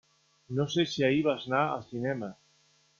No sé si ahir vas anar al cinema.